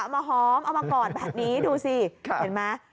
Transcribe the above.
มาหอมเอามากอดแบบนี้ดูสิเห็นไหม